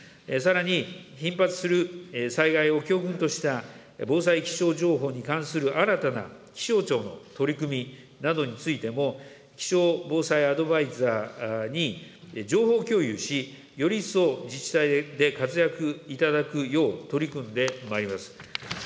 さらに、頻発する災害を教訓とした防災気象情報に関する新たな気象庁の取り組みなどについても、気象防災アドバイザーに情報共有し、より一層、自治体で活躍いただくよう取り組んでまいります。